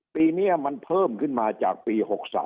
ปีนี้มันเพิ่มขึ้นมาจากปี๖๓